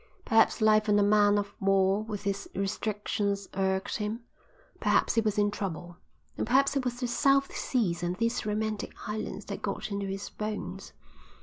Perhaps life on a man of war with its restrictions irked him, perhaps he was in trouble, and perhaps it was the South Seas and these romantic islands that got into his bones.